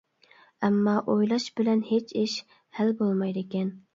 ئەمما ئويلاش بىلەن ھېچ ئىش ھەل بولمايدىكەن.